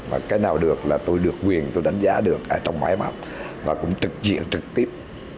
và cái nào được là tôi được quyền tôi đánh giá được ở trong máy móc và cũng trực diện trực tiếp